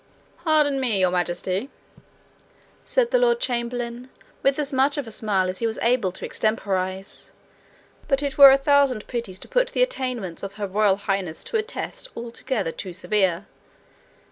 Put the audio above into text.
'Pardon me, Your Majesty,' said the lord chamberlain, with as much of a smile as he was able to extemporize, 'but it were a thousand pities to put the attainments of Her Royal Highness to a test altogether too severe.